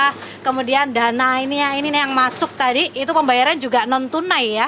nah kemudian dana ini yang masuk tadi itu pembayaran juga non tunai ya